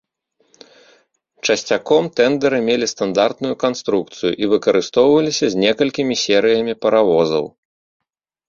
Часцяком, тэндары мелі стандартную канструкцыю і выкарыстоўваліся з некалькімі серыямі паравозаў.